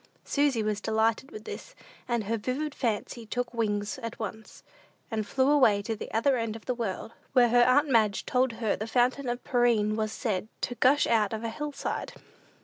Susy was delighted with this, and her vivid fancy took wings at once, and flew away to the other end of the world, where her aunt Madge told her the fountain of Pirene was said to gush out of a hill side.